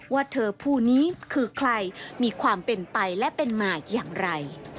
ว่าเธอผู้นี้คือใครมีความเป็นไปและเป็นมาอย่างไร